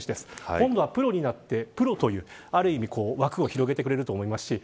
今度はプロになってプロというある意味枠を広げてくれると思いますし